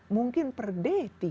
mungkin per d tiga